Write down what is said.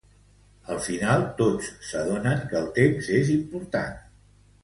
Al final, tots s'adonen que el temps és important.